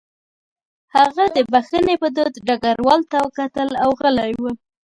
هغه د بښنې په دود ډګروال ته وکتل او غلی و